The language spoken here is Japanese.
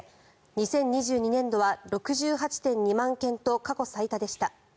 ２０２２年度は６８．２万件と過去最多でした。